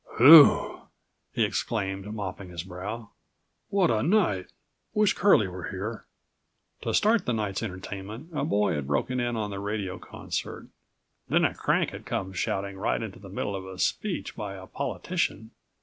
"Whew!" he exclaimed, mopping his brow, "what a night! Wish Curlie were here." To start the night's entertainment a boy had broken in on the radio concert. Then a crank had come shouting right into the middle of a speech by a politician.